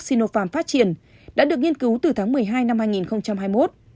sinoparm phát triển đã được nghiên cứu từ tháng một mươi hai năm hai nghìn hai mươi một